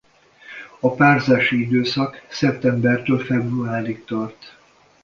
A párzási időszak szeptembertől februárig tart.